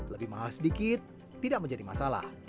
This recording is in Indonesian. lebih mahal sedikit tidak menjadi masalah